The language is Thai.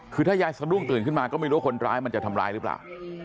คือถ้ายายสะดุ้งตื่นขึ้นมาก็ไม่รู้ว่าคนร้ายมันจะทำร้ายหรือเปล่า